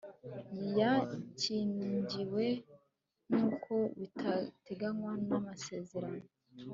yakingiwe nk uko biteganywa n amasezerano